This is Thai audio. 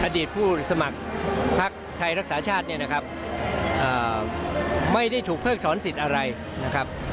ผู้สมัครพักไทยรักษาชาติเนี่ยนะครับไม่ได้ถูกเพิกถอนสิทธิ์อะไรนะครับ